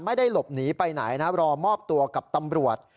ไม่ได้หลบหนีไปไหนนะรอมอบตัวกับตำรวจ